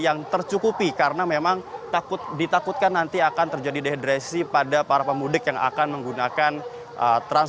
namun tidak begitu signifikan jumlahnya jika dibandingkan dengan kemarin